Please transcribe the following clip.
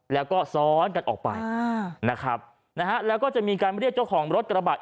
แล้วก็ซ้อนกันออกไปนะครับนะฮะแล้วก็จะมีการเรียกเจ้าของรถกระบะ